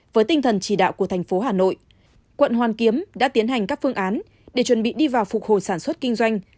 với tinh thần chỉ đạo của thành phố hà nội quận hoàn kiếm đã tiến hành các phương án để chuẩn bị đi vào phục hồi sản xuất kinh doanh